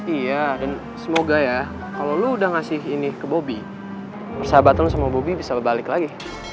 iya dan semoga ya kalo lu udah ngasih ini ke bobby persahabatan lu sama bobby bisa balik lagi